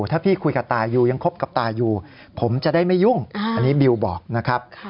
ถ้าพี่คุยกับตายูยังคบกับตาอยู่ผมจะได้ไม่ยุ่งอันนี้บิวบอกนะครับ